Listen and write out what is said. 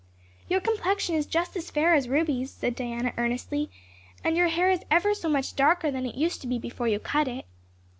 "Your complexion is just as fair as Ruby's," said Diana earnestly, "and your hair is ever so much darker than it used to be before you cut it."